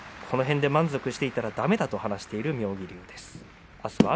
この辺で満足していたらだめだと話していた妙義龍です。